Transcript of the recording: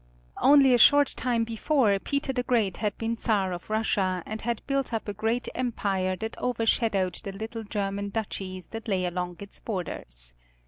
Only a short time before Peter the Great had been Czar of Russia and had built up a great Empire that overshadowed the little German duchies that lay along its borders.